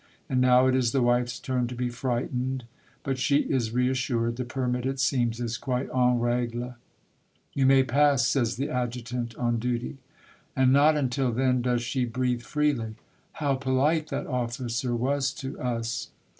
And now it is the wife's turn to be frightened. But she is re assured. The permit, it seems, is quite en regie. " You may pass," says the adjutant on duty. The Mother, 39 And not until then does she breathe freely. " How polite that officer was to us